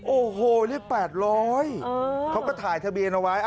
โอ้โหเลข๘๐๐เขาก็ถ่ายทะเบียนเอาไว้